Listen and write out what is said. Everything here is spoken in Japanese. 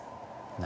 「何？